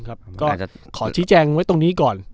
ก็ขอชี้แจงไว้ตรงนี้ก่อน